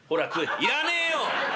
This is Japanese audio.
「要らねえよ！